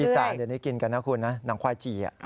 สาเดี๋ยวนี้กินกันนะคุณนะหนังควายจี่